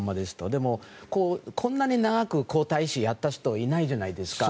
でも、こんなに長く皇太子をやった人っていないじゃないですか。